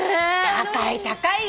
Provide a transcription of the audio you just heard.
高い高いよ。